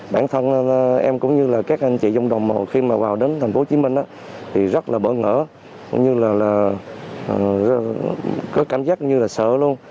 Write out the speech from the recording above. bản thân em cũng như là các anh chị dòng đồng khi mà vào đến thành phố hồ chí minh thì rất là bỡ ngỡ có cảm giác như là sợ luôn